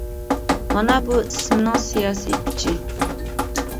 مانا بۇ ئىسىمنىڭ سىياسىي كۈچى .